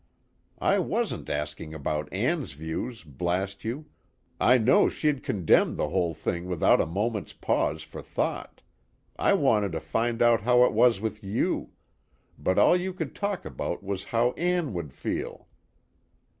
I wasn't asking about Ann's views, blast you I know she'd condemn the whole thing without a moment's pause for thought I wanted to find out how it was with you, but all you could talk about was how Ann would feel.